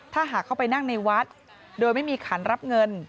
ถ้าหากเข้าไปนั่งในวัดโดยไม่มีขันรับเงิน